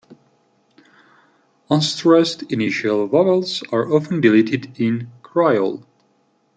Unstressed initial vowels are often deleted in Kriol.